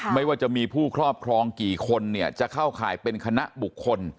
ไม่ว่าจะมีผู้ครอบครองกี่คนเนี่ยจะเข้าข่ายเป็นคณะบุคคล